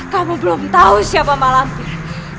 kamu belum tahu siapa mak lampir